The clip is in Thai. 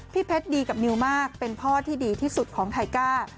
เพชรดีกับนิวมากเป็นพ่อที่ดีที่สุดของไทก้า